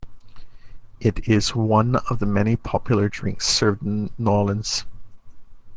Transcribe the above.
It is one of many popular drinks served in New Orleans.